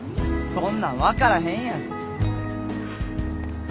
そんなん分からへんやん。